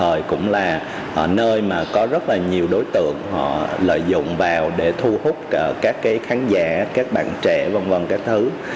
ở nơi mà có rất là nhiều đối tượng họ lợi dụng vào để thu hút các khán giả các bạn trẻ v v các thứ